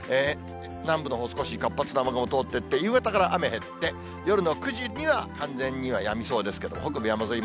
南部のほう、少し活発な雨雲通ってって、夕方から雨降って、夜の９時には完全にはやみそうですけれども、北部山沿い